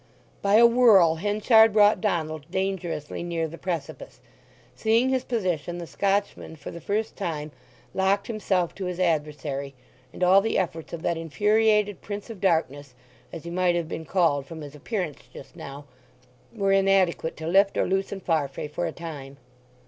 By a whirl Henchard brought Donald dangerously near the precipice; seeing his position the Scotchman for the first time locked himself to his adversary, and all the efforts of that infuriated Prince of Darkness—as he might have been called from his appearance just now—were inadequate to lift or loosen Farfrae for a time.